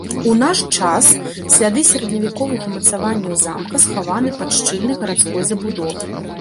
У наш час сляды сярэдневяковых умацаванняў замка схаваны пад шчыльнай гарадской забудовай.